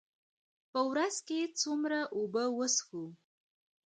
په ورځ کې څومره اوبه وڅښو؟